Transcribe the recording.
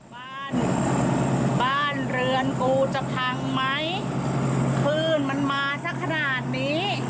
บ้านบ้านเรือนกูจะพังไหมคลื่นมันมาสักขนาดนี้